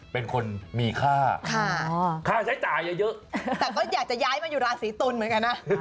เป็นคนมีค่าค่าใช้จ่ายเยอะแต่ก็อยากจะย้ายมาอยู่ราศีตุลเหมือนกันนะ